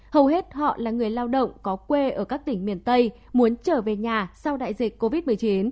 hầu hết họ là người lao động có quê ở các tỉnh miền tây muốn trở về nhà sau đại dịch covid một mươi chín